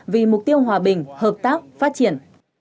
vì mục tiêu hòa bình hợp tác phát triển